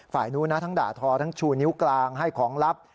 นู้นนะทั้งด่าทอทั้งชูนิ้วกลางให้ของลับ